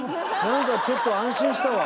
なんかちょっと安心したわ。